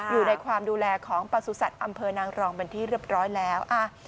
อยู่ในความดูแลของประสุทธิ์อำเภอนางรองเป็นที่เรียบร้อยแล้ว